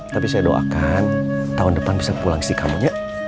tapi saya doakan tahun depan bisa pulang istri kamu ya